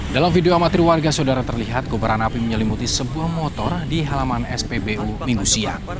dalam video amatir warga saudara terlihat kobaran api menyelimuti sebuah motor di halaman spbu minggu siang